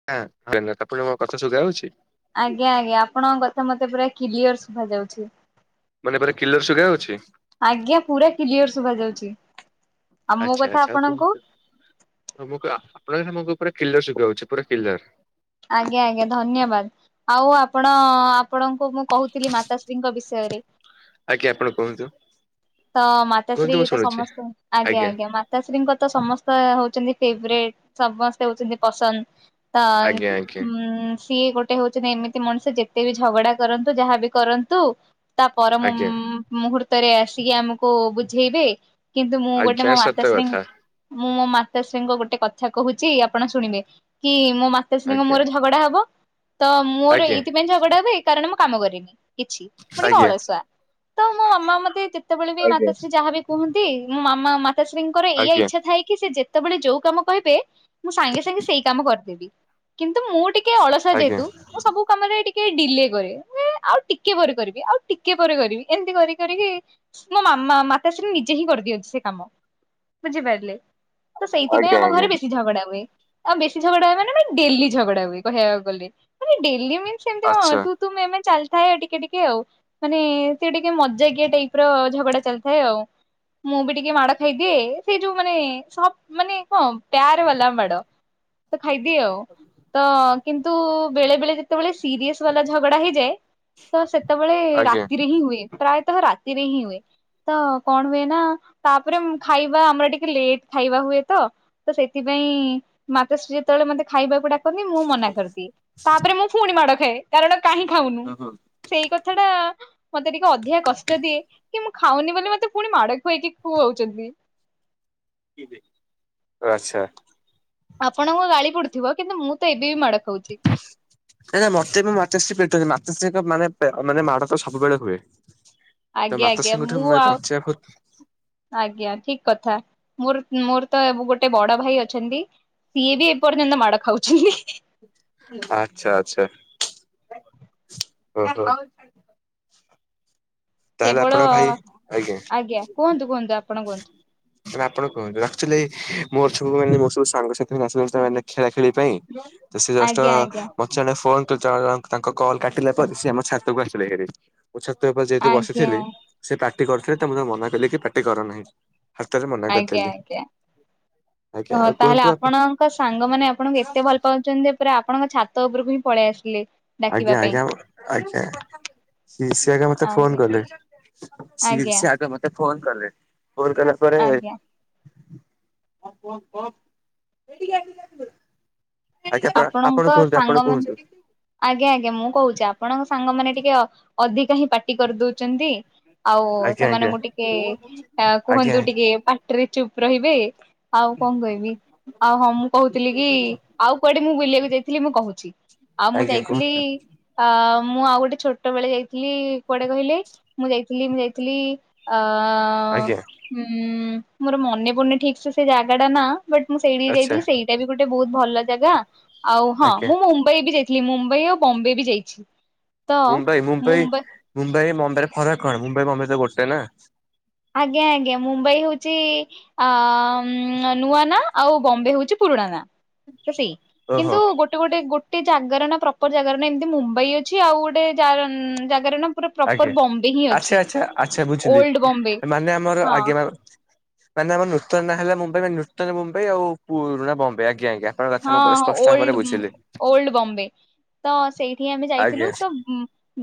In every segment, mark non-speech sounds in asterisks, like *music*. *unintelligible* ଆଜ୍ଞା ଆଜ୍ଞା ଆପଣଙ୍କ କଥା ମତେ ପୁରା କ୍ଲିଅର ଶୁଭାଯାଉଛି। ମାନେ ପୁରା କିଲର ଶୁଗା ହଉଛି ଆଜ୍ଞା ପୁରା କିଲିଅର ଶୁଭା ଯାଉଛି। ଆଉ ମୋ କଥା ଆପଣଙ୍କୁ। ମୁଁ କଏ ଆ ଆପଣଙ୍କ କଥା ମ ପାଖକୁ ପୁରା କ୍ଲିଅର ସୁଭା ହଉଛି ପୁରା କିଲର। ଆଜ୍ଞା ଆଜ୍ଞା ଧନ୍ୟବାଦ ଆଉ ଆପଣ ଆ ଆପଣଙ୍କୁ ମୁଁ କହୁଥିଲି ମାତାଶ୍ରୀଙ୍କ ବିଷୟରେ। ଆଜ୍ଞା ଆପଣ କୁହନ୍ତୁ। ତ ମାତାଶ୍ରୀ କୁହନ୍ତୁ ମୁଁ ତ ଶୁଣୁଛି ସମସ୍ତ ଆଜ୍ଞା ଆଜ୍ଞା ମା ମାତାଶ୍ରୀଙ୍କର ତ ସମସ୍ତ ହଉଚନ୍ତି ଫେବ୍ରେଟ୍ ସମସ୍ତେ ହୋଉଛନ୍ତି ପସନ୍ଦ। ତାର୍ ଆଜ୍ଞା ଆଜ୍ଞା ଉଁ ସିଏ ଗୋଟେ ହଉଛନ୍ତି ଏମିତି ମଣିଷ ଯେତେ ବି ଝଗଡା କରନ୍ତୁ ଯାହାବି କରନ୍ତୁ। ତା ପର ମୁ ଆଜ୍ଞା ମୁହୂର୍ତ୍ତରେ ଆସିକି ଆମକୁ ବୁଝେଇବେ। କିନ୍ତୁ ମୁଁ ଗୋଟେ ଆଜ୍ଞା ମୋ ସତ ମାତାଶ୍ରୀ କଥା ମୁଁ ମୋ ମାତାଶ୍ରୀଙ୍କ ଗୋଟେ କଥା କହୁଚି ଆପଣ ଶୁଣିବେ କି ମୋ ମା ତା ଶ୍ରୀଙ୍କ ଆଜ୍ଞା ମୋର ଝଗଡା ହବ ତ ମୋର ଆଜ୍ଞା ଏଇଥିପାଇଁ ଝଗଡା ହବ ଏଇ କାରଣ ମୁଁ କାମ କରିନି କିଛି। ମୁଁ ଆଜ୍ଞା ଟିକେ ଆଜ୍ଞା ଅଳସୁଆ ତ ମୋ ମାମା ମତେ ଯେତେବେଳେ ବି ଆଜ୍ଞା ମାତାଶ୍ରୀ ଯାହାବି କୁହନ୍ତି ମୋ ମାମା ମାତାଶ୍ରୀଙ୍କର ଏଇଆ ଇଚ୍ଛା ଥାଏ କି ସେ ଯେ ଯେତେବେଳେ ଯୋଉ କାମ କହିବେ ମୁଁ ସାଙ୍ଗେ ସାଙ୍ଗେ ସେଇ କାମ କରିଦେବି କିନ୍ତୁ ମୁଁ ଟି ଟିକେ ଅଳସୁଆ ଆଜ୍ଞା ଆଜ୍ଞା ଯହେତୁ ମୁଁ ସବୁ କାମରେ ଟିକେ ଟିକେ ଡିଲେ କରେ ଏ ଆଉ ଟିକେ ପରେ କରିବି ଆଉ ଟିକେ ପରେ କରିବି ଏମିତି କରି କରିକି ମୋ ମାମା ମାତାଶ୍ରୀ ନିଜେ ହିଁ କରିଦିଅନ୍ତି ସେ କାମ ବୁଝିପାରିଲେ। ତ ସେଇଥିପାଇଁ ଆଜ୍ଞା ଆମ ଘରେ ବେଶୀ ଝଗଡା ହୁଏ। ଆଉ ବେଶୀ ଝଗଡା ହୁଏ ମାନେ *unintelligible* ଡେଲି ଝଗଡା ହୁଏ କହିବାକୁ ଗଲେ ମାନେ ଡେଲି ମିନ୍ସ ଏମିତି କଣ ଆଚ୍ଛା ତୁ ତୁ ମେ ମେ ଚାଲିଥାଏ ଟିକେ ଟିକେ ଆଉ ମାନେ ସେ ଟିକେ ମଜା କିଆ ଟାଇପ୍ ଝଗଡା ଚାଲିଥାଏ ଆଉ ମୁଁ ବି ଟିକେ ମାଡ ଖାଇଦିଏ ସେ ଯୋଉ ମାନେ ସ ମାନେ ହଁ ପ୍ୟାର ବାଲା ମାଡ। ତ ଖାଇଦିଏ ଆଉ ତ କିନ୍ତୁ ବେଳେ ବେଳେ ଯେତେବେଳେ ସିରିଅସ ବାଲା ଝଗଡା ହେଇଯାଏ ତ ସେତେବେଳେ ଆଜ୍ଞା ରାତିରେ ହିଁ ହୁଏ ପ୍ରାୟତଃ ରାତିରେ ହିଁ ହୁଏ। ତ କଣ ହୁଏ ନା ତାପରେ ଖାଇବା ଆମର ଟିକେ ଲେଟ୍ ଖାଇବା ହୁଏ ତ। ତ ସେଥିପାଇଁ ମାତାଶ୍ରୀ ଯେତେବେଳେ ମତେ ଖାଇବାକୁ ଡା କନ୍ତି ମୁଁ ମନା କରିଦିଏ ତାପରେ ମୁଁ ପୁଣି ମାଡ ଖାଏ କାରଣ କାହିଁ ଖାଉନୁ। ହୁଁ ହୁଁ। ସେଇ କଥା ଟା ମତେ ଟିକେ ଅଧିକା କଷ୍ ଯଦି କି ମୁଁ ଖାଉନି ବୋଲି ମତେ ପୁଣି ମାଡ ଖୁଏଇକି ଖୁଅଉଚନ୍ତି। ଆଚ୍ଛା। ଆପଣଙ୍କୁ ଗାଳି ପଡୁଥିବ କିନ୍ତୁ ମୁଁ ତ ଏବେ ବି ମାଡ ଖାଉଛି। ନାଇଁ ନାଇଁ ମତେ ମୁଁ ମାଚଶ୍ରୀ ପେଟଛି ମାଚଶ୍ରୀ ମାନେ ମାନେ ମାଡ ତ ସବୁବେଳେ ହୁଏ। ତ ଆଜ୍ଞା ଆଜ୍ଞା ମାତାଶ୍ରି ମୁଁ ମାନେ ଆଉ ପହଞ୍ଚେଇିବାକୁ ଆଜ୍ଞା ଠିକ କଥା ମୋର ମୋର ତ ଗୋଟେ ବଡ ଭାଇ ଅଛନ୍ତି। ସିଏ ବି ଏପର୍ଯ୍ୟନ୍ତ ମାଡ଼ ଖାଉଛି। ଆଚ୍ଛା ଆଚ୍ଛା। ଓହୋ। ତାହେଲେ କେବଳ ଆପଣଙ୍କ ଭାଇ କୁହନ୍ତୁ କୁହନ୍ତୁ ଆପଣ ଆଜ୍ଞା। କୁହନ୍ତୁ। ଆପଣ କୁହନ୍ତୁ ଆକଚୁଲି ମୋର ସବୁ ମାନେ ମୋର ସବୁ ସାଙ୍ଗସାଥି ଆସିଲେ ଖେଳା ଖେଳି ପାଇଁ। ସେ ଜଷ୍ଟ ଆଜ୍ଞା ଆଜ୍ଞା ଜଣେ ଫୋନ ତାଙ୍କ କଲ୍ କାଟିଲା ପରେ ସେ ଆମ ଛାତକୁ ଆସିଲେ ମୋ ଛ ଆଜ୍ଞା ବସିଥିଲି ସେ ପ୍ରାର୍ଟି କରୁଥିଲେ ତ ମୁ ମନା କଲି କି ପ୍ରାର୍ଟି କରନାହିଁ। ହାତରେ ମନା କରିଦେଲି। ଆଜ୍ଞା ଓ ଆଉ ତାହେଲେ କୁହନ୍ତୁ ଆପଣ ଆପଣଙ୍କ ସାଙ୍ଗମାନେ ଆପଣଙ୍କୁ ଏତେ ଭଲ ପାଉ ଛନ୍ତି ପୁରା ଆପଣଙ୍କ ଛାତ ଉପରକୁ ହିଁ ପଳେଇ ଆସିଲେ। ଡାକିବା ଆଜ୍ଞା ପାଇଁ ଆଜ୍ଞା ଆଜ୍ଞା ସ ସିଏ ଆଘେ ମତେ ଆଜ୍ଞା ଫୋନ କଲେ। ଆଜ୍ଞା ସେ ଆଗ ମତେ ଫୋନ କଲେ ଫୋନ କଲା ପରେ *unintelligible* ଆଜ୍ଞା ଆଜ୍ଞା ଆପଣ ଆପଣ ଆପଣଙ୍କ କୁହନ୍ତୁ ଆପଣ ସାଙ୍ଗ ମାନେ କୁହନ୍ତୁ ଆଜ୍ଞା ଆଜ୍ଞା ମୁଁ କହୁଛି ଆପଣଙ୍କ ସାଙ୍ଗମାନେ ଟିକେ ଅଧିକା ହିଁ ପା ପାଟି କରିଦଉଛନ୍ତି ଆଉ ଆଜ୍ଞା ଆଜ୍ଞା ସେମାନଙ୍କୁ ଟିକେ ଆଜ୍ଞା। କୁହନ୍ତୁ ଟିକେ ରେ ଚୁପ ରହିବେ ଆଉ କଣ କହିବି ଆଉ ହଁ ମୁଁ କହୁଥିଲି କି ଆଉ କୁଆଡେ ମୁଁ ବୁଲିବାକୁ ଯାଇଥିଲି ମୁଁ କହୁଛି ଆଉ ମୁଁ ଆଜ୍ଞା ଯାଇଥିଲି। କୁହନ୍ତୁ ଅ ମୁଁ ଆଉ ଗୋଟେ ଛୋଟ ବେଳେ ଯାଇଥିଲି କୁଆଡେ କହିଲେ ମୁଁ ଯାଇଥିଲି ମୁଁ ଯାଇଥିଲି ଅ ଆଜ୍ଞା ହୁଁ ମୋର ମନେ ପଡୁନି ଠିକସେ ସେ ଜାଗା ଟା ନା ବଟ୍ ମୁଁ ସେଇଠିକ ଆଚ୍ଛା ଯାଇଥିଲି ସେଇ ଏଟା ବି ଗୋଟେ ବହୁତ ଭଲ ଜାଗା ଆଉ ହଁ ଆଜ୍ଞା ମୁଁ ମୁମ୍ବାଇ ବି ଯାଇଥିଲି ମୁମ୍ବାଇ ଆଉ ବମ୍ବେ ବି ଯାଇଛି। ତ ମୁମ୍ବାଇ ମୁମ୍ବାଇ ମୁମ୍ବାଇ ମୁମ୍ବାଇରେ ଫରାକ କଣ ମୁମ୍ବାଇ ମୁମ୍ବାଇ ତ ଗୋଟେ ନା। ଆଜ୍ଞା ଆଜ୍ଞା ମୁମ୍ବାଇ ହଉଛି ଆ ନୂଆ ନା ଆଉ ବମ୍ବେ ହଉଛି ପୁରୁଣା ନା। ସେଇ ଓହୋ କିନ୍ତୁ ଗୋଟେ ଗୋଟେ ଗୋଟେ ଗୋଟେ ଜାଗାର ନା ପ୍ରପର ଜାଗାରେ ନା ଏମିତି ମୁମ୍ବାଇ ଅଛି ଆଉ ଗୋଟେ ଜାଗାରେ ନା ପୁରା ଆଜ୍ଞା ପ୍ରପର ବମ୍ବେ ହିଁ ଆଚ୍ଛା ଅଛି ଆଚ୍ଛା ଆଚ୍ଛା ବୁଝିଲି ଓଲ୍ଡ ବମ୍ବେ। ମାନେ ଆମର ହଁ ଆଗେମ ମାନେ ଆମର ନୂତନ ନାଁ ହେଲା ମୁମ୍ବାଇ ମ ନୂତନ ମୁମ୍ବାଇ ଆଉ ପୁରୁଣା ବମ୍ବେ ଆଜ୍ଞା ଆଜ୍ଞା। କଥା ହଁ ମୁଁ ପୁରା ହଁ ସ୍ପଷ୍ଟ ଓଲ୍ଡ ଭାବରେ ବୁଝିଲି। ଓଲ୍ଡ ବମ୍ବେ ତ ସେଇଠି ଆମେ ଯାଇଥିଲୁ ଆଜ୍ଞା ତ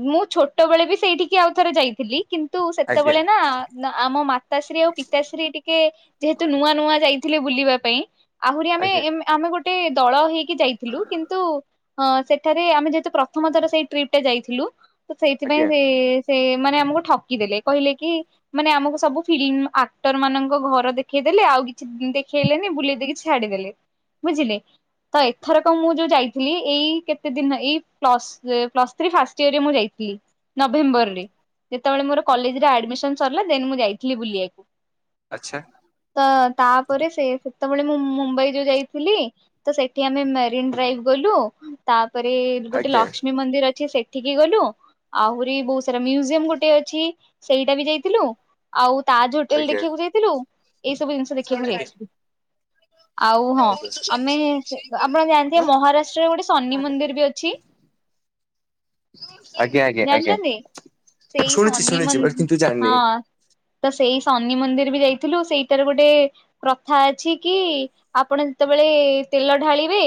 ମୁଁ ଛୋଟବେଳେ ବି ସେଇଠିକି ଆଉ ଥରେ ଯାଇଥିଲି କିନ୍ତୁ ଆଜ୍ଞା ସେତେବେଳେ ନା ନା ଆମ ମାତାଶ୍ରୀ ଆଉ ପିତାଶ୍ରୀ ଟିକେ ଯେହେତୁ ନୂଆ ନୂଆ ଯାଇଥିଲେ ବୁଲିବା ପାଇଁ। ଆହୁରି ଆମେ ଆଜ୍ଞା ଆମେ ଗୋଟେ ଦଳ ହେଇକି ଯାଇଥିଲୁ କିନ୍ତୁ ହଁ ସେଠାରେ ଆମେ ଯେହେତୁ ପ୍ରଥମ ଥର ସେଇ ଟ୍ରିପ ଟା ଯାଇଥିଲୁ ତ ସେଇଥିପାଇଁ ଆଜ୍ଞା ସେ ସେ ମାନେ ଆମକୁ ଠକି ଦେଲେ କହିଲେ କି ମାନେ ଆମକୁ ସବୁ ଫିଲ୍ମ ଆକ୍ଟର ମାନଙ୍କ ଘର ଦେଖେଇଦେଲେ ଆଉ କିଛି ଦେଖେଇଲେନି ବୁଲେଇ ଦେଇକି ଛାଡିଦେଲେ। ବୁଝିଲେ ତ ଏଥର କଣ ମୁଁ ଯଉ ଯାଇ ଏଇ କେତେ ଦିନ ଏଇ ପ୍ଲସ ପ୍ଲସ ଥ୍ରି ଫାଷ୍ଟ ଇଅରରେ, ମୁଁ ଯାଇଥିଲି। ନଭେମ୍ବରରେ ଯେତେବେଳେ ମୋର କଲେଜରେ ଆଡମିସନ ସରିଲା ଦେନ୍ ମୁଁ ଯାଇଥିଲି ବୁଲିବାକୁ। ଆଛା ତ ତାପରେ ସେ ସେତେବେଳେ ମୁଁ ମୁମ୍ବାଇ ଯୋଉ ଯାଇ ଥିଲି ତ ସେଠି ଆମେ ମେରିନ୍ ଡ୍ରାଇଭ ଗଲୁ। ତାପରେ ଗୋଟେ ଆଜ୍ଞା ଆଜ୍ଞା ଲକ୍ଷ୍ମୀ ମନ୍ଦିର ଅଛି ସେଠି ସେଠିକି ଗଲୁ, ଆହୁରି ବହୁତ ସାରା ମ୍ୟୁଜିୟମ ଗୋଟେ ଅଛି ସେଇଟା ବି ଯାଇଥିଲୁ। ଆଉ ତାଜ ହୋଟେଲ ଆଜ୍ଞା ଦେଖିବାକୁ ଯାଇଥିଲୁ, ଏଇ ସବୁ ଜିନିଷ ଦେଖିବାକୁ ଯାଇଥିଲୁ। ଆଉ ହଁ ଆମେ ଆପଣ ଜାଣିଥିବେ ମହାରାଷ୍ଟ୍ରରେ ଗୋଟେ ଶନି ମନ୍ଦିର ବି ଅଛି? ଆଜ୍ଞା ଜାଣିଛନ୍ତି ସେଇ ଶୁଣିଛି ଶନି ଶୁଣିଛି ବଟ ମନ୍ଦିର, କିନ୍ତୁ ଜାଣିନି ହଁ ତ ସେଇ ଶନି ମନ୍ଦିର ବି ଯାଇଥିଲୁ ସେଇଟାରେ ଗୋଟେ ପ୍ରଥା ଅଛି କି ଆପଣ ଯେତେବେଳେ ତେଲ ଢାଳିବେ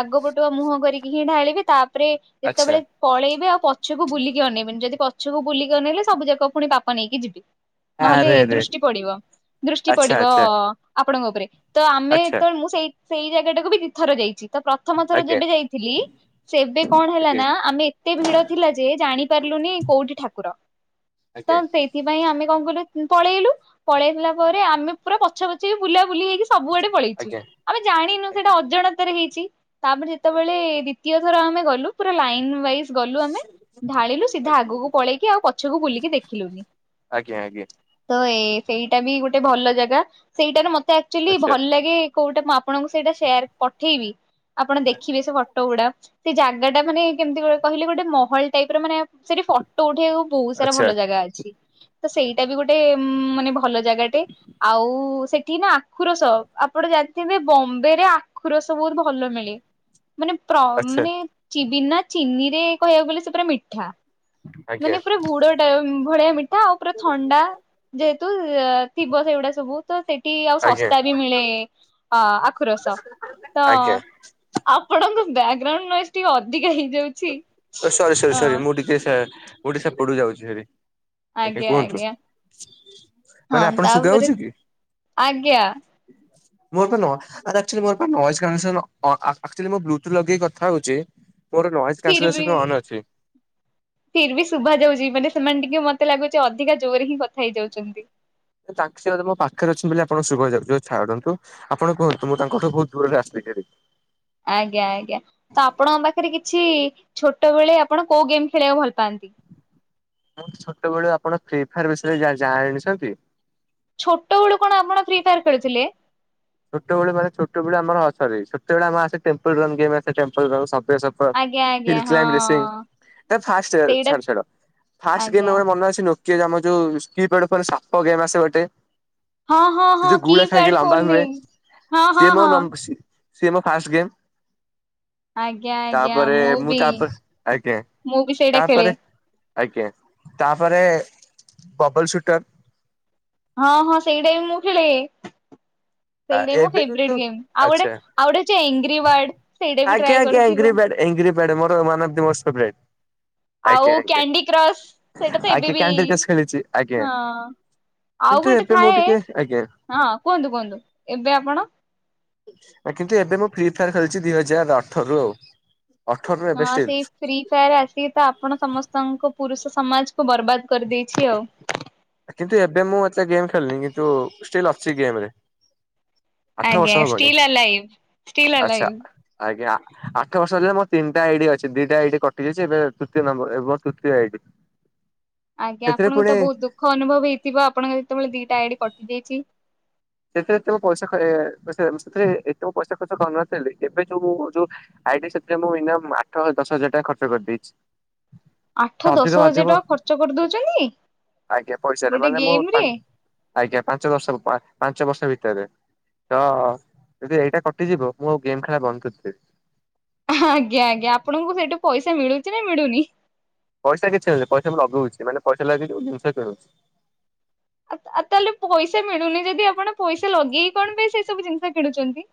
ଆଗ ପଟୁଆ ମୁହଁ କରିକି ହିଁ ଢାଳିବେ ତାପରେ ଆଚ୍ଛା ଯେତେବେଳେ ପଳେଇବେ ଆଉ ପଛକୁ ବୁଲିକି ଅନେଇବନି ଯଦି ପଛକୁ ବୁଲିକି ଅନେଇଲେ ସବୁଯାକ ପୁଣି ପାପ ନେଇକିଯିବି। ନହେଲେ ଆରେ ଆରେ ଦୃଷ୍ଟି ପଡିବ, ଦୃଷ୍ଟି ଆଚ୍ଛା ପଡିବ ଆଚ୍ଛା ଆପଣଙ୍କ ଉପରେ। ତ ଆମେ ଆଚ୍ଛା ଯେତେବେଳେ ମୁଁ ସେଇ ସେଇ ଜାଗାଟାକୁ ବି ଦିଇ ଥର ଯାଇଛି ତ ପ୍ରଥମ ଥର ଆଜ୍ଞା ଯେବେ ଯାଇଥିଲି। ସେ ଏବେ କଣ ହେଲା ଆଜ୍ଞା ନା ଆମେ ଏତେ ଭିଡ ଥିଲା ଯେ ଜାଣି ପାରିଲୁନି କୋଉଠି ଠାକୁର ଆଜ୍ଞା ତ ସେଥିପାଇଁ ଆମେ କଣ କଲୁ ପଳେଇଲୁ, ପଳେଇଗଲା ପରେ ଆମେ ପୁରା ପଛା ପଛି ବୁଲା ବୁଲି ହେଇକି ସବୁଆଡେ ଆଜ୍ଞା ପଳେଇଛୁ। ଆମେ ଜାଣିନୁ ଆଜ୍ଞା। ସେଟା ଅଜାଣତାରେ ହେଇଛି, ତାପରେ ଯେତେବେଳେ ଦ୍ୱଵିତୀୟ ଥର ଆମେ ଗଲୁ ପୁରା ଲାଇନ୍ ୱାଇସ ଗଲୁ ଆମେ ଢାଳିଲୁ ସିଧା ଆଜ୍ଞା ଆଗକୁ ପଳେଇକି ଆଉ ପଛକୁ ବୁଲିକି ଦେଖିଲୁନି। ଆଜ୍ଞା ଆଜ୍ଞା। ତ ଏ ସେଇଟା ବି ଗୋଟେ ଭଲ ଜାଗା ସେଇଟାରେ ମତେ ଆକଚୁଆଲି ଆଚ୍ଛା ଭଲ ଲାଗେ କୋଉଟା ମୁଁ ଆପଣଙ୍କୁ ସେଇଟା ସେୟାର ପଠେଇବି ଆପଣ ଦେଖିବେ ସେ ଫଟୋ ଗୁଡା। ସେ ଜାଗାଟା ମାନେ କେମିତି କହିଲେ ଗୋଟେ ମହଲ ଟାଇପର ମାନେ ସେଠି ଫଟୋ ଉଠେଇବାକୁ ବହୁତ ସାରା ଆଚ୍ଛା ଭଲ ଜାଗା ଅଛି, ତ ସେଇଟା ବି ଗୋଟେ ମାନେ ଭଲ ଭଲ ଜାଗାଟେ ଆଉ ସେଠି ନା ଆଖୁ ରସ ଆପଟେ ଜାଣିଥିବେ ବମ୍ବେରେ ଆଖୁ ରସ ବହୁତ ଭଲ ମିଳେ ମାନେ ଆଚ୍ଛା ମାନେ ଚିବି ବିନା ଚିନି ରେ କହିବାକୁ ଗଲେ ସେ ପୁରା ମିଠା। ଆଜ୍ଞା ମାନେ ପୁରା ଗୁଡଟା ଭଳିଆ ମିଠା ଆଉ ପୁରା ଥଣ୍ଡା। ଯେହେତୁ ଥିବ ସେଗୁଡା ସବୁ ତ ସେଠି ଆଉ ଆଜ୍ଞା ଶସ୍ତା ବି ମିଳେ। ହଁ ଆଖୁ ରସ। ଆଜ୍ଞା, ଆପଣଙ୍କ ବ୍ୟାକଗ୍ରାଉଣ୍ଡ ନଏଜ ଟିକେ ଅଧିକା ହେଇଯାଉଛି। ସରି ସରି ଅ ସରି, ମୁଁ ଟିକେ ସେ ମୁଁ ଟିକେ ସେପଟୁ ଯାଉଛି ଭାରି। ଆଜ୍ଞା, କୁହନ୍ତୁ ହଁ ମାନେ ଆପଣ ଶୁଗା ତାପରେ ଯାଉଛି କି? ଆଜ୍ଞା ମୋର ବା *unintelligible* ଆରେ ଆକଚୁଆଲି ମୋର ବା ନଏଜ୍ କ୍ୟାନ୍ସଲ୍ ଆକଚୁଆଲି ମୁଁ ବ୍ଲୁତୁଥ ଲଗେଇ କଥାହଉଛି, ମୋର ନଏଜ ଫିର୍ ବି, କ୍ୟାନସେସନ ଅନ୍ ଅଛି ଫିର୍ ବି ଶୁଭାଯାଉଛି ମାନେ ସେମାନେ ଟିକେ ମତେ ଲାଗୁଛି ଅଧିକା ଜୋରରେ ହିଁ କଥା ହେଇଯାଉଛନ୍ତି। ତାଙ୍କ ସେ ବୋଧେ ମୋ ପାଖରେ ଅଛନ୍ତି ବୋଲି ଆପଣ ଶୁଭା ଯାଉଥିବ ହଉ ଛାଡନ୍ତୁ। ଆପଣ କୁହନ୍ତୁ, ମୁଁ ତାଙ୍କଠୁ ବହୁତ ଦୂରରେ ଆସିଲି ଭାରି। ଆଜ୍ଞା ଆଜ୍ଞା ତ ଆପଣଙ୍କ ପାଖରେ କିଛି ଛୋଟ ବେଳେ ଆପଣ କୋଉ ଗେମ୍ ଖେଳିବାକୁ ଭଲ ପାଆନ୍ତି? ମୁଁ ଛୋଟବେଳୁ ଆପଣ ଫ୍ରି ଫାୟାର ବିଷୟରେ ଜା ଜା ଆଣିଛନ୍ତି ଛୋଟ ବେଳୁ କଣ ଆପଣ ଫ୍ରି ଫାୟାର ଖେଳୁଥିଲେ ଛୋଟବେଳେ ମାନ ଛୋଟବେଳେ ଆମର ହ *unintelligible* ସେତେବେଳେ ଆମ *unintelligible* ହଁ ଆଜ୍ଞା ଆଜ୍ଞା ହଁ ଇଟ୍ରାମିରେ ସିଗି ଏ ଫାଷ୍ଟେ ରେ ସେଇଟା ଛାଡ ଛାଡ। ଫାଷ୍ଟେ ଗେମେ ଆଜ୍ଞା ମୋର ମନେ ଅଛି ନୋକି ଆମର ଯୋଉ ରିସ୍କେ ଯେପଡ଼େ ସାପ ଗେମ୍ ଆସେ ଗୋଟେ। ହଁ ହଁ ସେ ହଁ ଯୋଉ କି ଗୁଳା ଖାଇକି ପ୍ୟାଡ ଲମ୍ବା ଫୋନରେ ହୁଏ। ହଁ ସି ଏ ହଁ ମୋ ହଁ ନମ ସିଏମୋ ଫାଷ୍ଟେ ଗେମ୍। ଆଜ୍ଞା ଆଜ୍ଞା ତାପରେ ମୁଁ ବି ତାପରେ ଆଜ୍ଞା ମୁଁ ବି ସେଇଟା ଖେଳେ ତାପରେ। ଆଜ୍ଞା। ତାପରେ ବବଲ ସୁଟର। ହଁ ହଁ ସେଇଟା ବି ମୁଁ ଖେଳେ ଆ ସେଇଟା ମୋ ଏବେ କିନ୍ତୁ ଫେବ୍ରେଟେ ଗେମ୍ ଆଉ ଆଚ୍ଛା ଗୋଟେ। ଆଉ ଗଟେ ଅଛି ଏଇଙ୍ଗ୍ରିୱଡ ସେଇଟା ବି ଟ୍ରାଏ କରୁଥିବ। ଏଇଗ୍ରିପଡେ ମୋର ମାନେ ଅଫ ଦି ଫେମସ ଫ୍ରେବ୍ରାଇଟି। ଆଉ କ୍ୟାଣ୍ଡି କ୍ରସ୍ ସେଇଟା ତ ଏବେ ଆଜ୍ଞା ବି କ୍ୟାଣ୍ଡି କ୍ରସ ଖେଳିଛି ଆଜ୍ଞା ହଁ। ଆଉ କିନ୍ତୁ ଗୋଟେ ଏବେ ମୁଁ ଥାଏ ଟିକେ ଆଜ୍ଞା ହଁ କୁହନ୍ତୁ କୁହନ୍ତୁ ଏବେ ଆପଣ। କିନ୍ତୁ ଏବେ ମୁଁ ଫ୍ରି ଫାୟାର ଖେଳିଛି ଦିଇ ହଜାର ଅଠରରୁୁ ଆଉ। ଅଠରରୁ ଏବେ ହଁ ଷ୍ଟିଲ୍ ସେଇ। ଫ୍ରି ଫାୟାର୍ ଆସି ତ ଆପଣ ସମସ୍ତଙ୍କ ପୁରୁଷ ସମାଜକୁ ବର୍ବାଦ କରିଦେଇଛି ଆଉ। କିନ୍ତୁ ଏବେ ମୁଁ ଏତେ ଗେମ୍ ଖେଳନୁ କିନ୍ତୁ ଷ୍ଟିଲ୍ ଅଛି ଗେମ୍ ରେ। ଆଠ ଆଜ୍ଞା। ବର୍ଷ ହବଣି ଷ୍ଟିଲିଆଲାୟୁ। ଷ୍ଟିଲିଆଲାୟୁ। ଆଚ୍ଛା। ଆଜ୍ଞା। ଆଠ ବର୍ଷ ହେଲା ମୋର ତିନିଟା ଆଇଡି ଅଛି ଦିଟା ଆଇଡି କଟିଯାଇଛି ଏବେ ତୃତୀୟ ନମ୍ବର ମୋ ତୃତୀୟ ଆଇଡି। *inaudible* ଆଜ୍ଞା ସେଥିରେ ଆପଣଙ୍କୁ ପୁଣି ତ ବହୁତ ଦୁଃଖ ଅନୁଭବ ହେଇଥିବ ଆପଣଙ୍କ ଯେତେବେଳେ ଦିଟା ଆଇଡି କଟିଯାଇଛି। ସେଥିରେ ଏତେ ପଇସା ଖାରେ ସେଥିରେ ଏତେ ମୁଁ ପଇସା ଖର୍ଚ୍ଚ କରିନଥିଲି ଏବେ ଯୋଉ ମୁଁ ଯୋଉ। ଆଇଡି ସେଥିରେ ମୁଁ ମିନିମମ ଆଠ ଦଶ ହଜାର ଟଙ୍କା ଖର୍ଚ୍ଚ କରିଦେଇଛି। ଆଠ ଅଧିକ ଦଶ ବାଧିବ ହଜାର ଟଙ୍କା ଖର୍ଚ୍ଚ କରିଦଉଛନି। ଆଜ୍ଞା ପଇସା ରେ ମାନେ ମୁଁ ପା ଆଜ୍ଞା ପାଞ୍ଚ ଦର୍ଷ ପରେ। ପାଞ୍ଚ ବର୍ଷ ଭିତରେ ତ ଯଦି ଏଇଟା କଟିଯିବ ମୁଁ ଗେମ୍ ଖେଳ ବନ୍ଦ କରିଦେବି। ହଁ ଆଜ୍ଞା ଆଜ୍ଞା ଆପଣଙ୍କୁ ସେଇଠୁ ପଇସା ମିଳୁଚି ନା ମିଳୁନି। ପଇସା କିଛିଲାଗୁନିଂ ପଇସା ମୁଁ ଲଗଉଛି ମାନେ ପଇସା ଲାଗି ଜିନିଷ କିଣୁଛି। ଆତ ଆଉ ତାହେଲେ ପଇସା ମିଳୁନି ଯଦି ଆପଣ ପଇସା ଲଗେଇକି କଣ ପାଇଁ ସେ ସବୁ ଜିନିଷ କିଣୁଛନ୍ତି।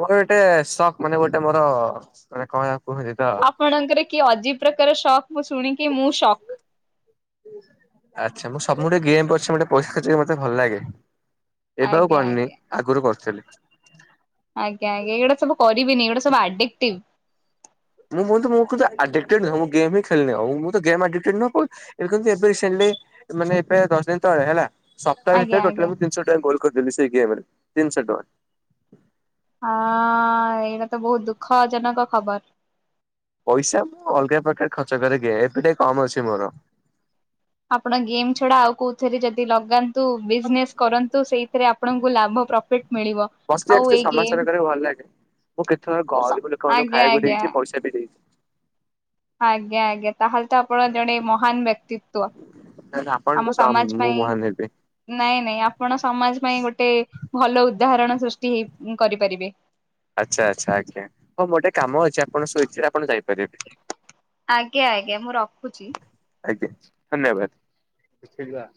ମୋର ଗୋଟେ ଶକ୍ ମାନେ ଗୋଟେ ମୋର ମାନେ କ ଏଟା କୁହାଯାଏତ। ପଣଙ୍କର କିଏ ଅଜିବି ପ୍ରକାର ଶକ୍ ମୁଁ ଶୁଣିକି ମୁଁ ଶକ୍। *inaudible* ଆଚ୍ଛା ମୁଁ ସବୁ ଆଡେ ପଛ ପଟେ ପଇସା ଖଚ୍ଚ କରିବାକୁ ମତେ ଭଲ ଲାଗେ। ଏବେ ଆଉ ଆଜ୍ଞା କରିନି ଆଜ୍ଞା ଆଗରୁ କରୁଥିଲି। ଆଜ୍ଞା ଆଜ୍ଞ ଏଇଗୁଡା ସବୁ କରିବେନି ଏଇଗୁଡା ଆଡିକିଟିଭି। ମୁଁ ବହୁତୁ ମୁକୁତ ଆଡେକି ଟିଭି ମୁଁ ଗେମ୍ ହି ହେଲିନି ଆଉ ମୁଁ ତ ଗେମ୍ ଆଡକିଟିଭି ନୁହେଁ। ଏ କିନ୍ତୁ ଏବେ ରିସେଣ୍ଟଲି ମାନେ ଏବେ ଦଶ ଦିନି ତଳେ ହେଲା। ସପ୍ତାହ ଆଜ୍ଞା ଭିତରେ ଆଜ୍ଞା ଟୋଟାଲି ମୁଁ ତିନିଶହ ଟଙ୍କା ଗୋଲ କରିଥିଲି ସେଇ ଗେମ୍ ରେ ତିନିଶହ ଟଙ୍କା। ହଁଅ ଅ ଅ ଏଇଟା ତ ବହୁତ ଦୁଃଖ ଜନକ ଖବର। ପଇସା ମୁଁ ଅଲଗା ପ୍ରକାର ଖର୍ଚ କରେ ଗେଫେରେ କମ ଅଛି ମୋର। ଆପଣ ଗେମ୍ ଛଡା ଆଉ କୋଉଥିରେ ଯଦି ଲଗାନ୍ତ। ତୁ ବିଜନେସ କରନ୍ତୁ ସେଇଥିରେ ଆପଣଙ୍କୁ ଲାଭ ପ୍ରଫିଟ ମିଳିବ ଆଉ ଏଇ ଗେମ୍ ତ୍ ତେ ଭଲ ଲାଗେ। ମୁଁ କେତେ ଥର ଗରିବ ଲୋକମାନଙ୍କୁ ଆଜ୍ଞା ଖାଇବାକୁ ଆଜ୍ଞା ଦେଇଛି ପଇସା ବି ଦେଇଛି। ଆଜ୍ଞା ଆଜ୍ଞା ତାହେଲେ ତ ଆପଣ ଜଣେ ମହାନ ବ୍ୟକ୍ତି। ତ୍ୱ ନହେଲେ ଆପଣଠୁ ଆମ କମ୍ ସମାଜ ମୁଁ ପାଇଁ। ମହାନ ହେବି। ନାଇଁ ନାଇଁ ଆପଣ ସମାଜ ପାଇଁ ଗୋଟେ ଭଲ ଉଦାହରଣ ସୃଷ୍ଟି ହେଇ କରିପାରିବେ। ଆଚ୍ଛା ଆଚ୍ଛା ଆଜ୍ଞା ହଁ ମୋ ଗୋଟେ କାମ ଅଛି ଆପଣ ଶୋଇଥିଲେ ଆପଣ ଯାଇ ଆଜ୍ଞା ଆଜ୍ଞା ମୁଁ ରଖୁଚି। ଆଜ୍ଞା ଧନ୍ୟବାଦ *inaudible*